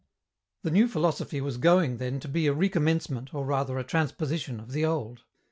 The new philosophy was going, then, to be a recommencement, or rather a transposition, of the old.